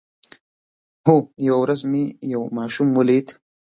هو، یوه ورځ مې یو ماشوم ولید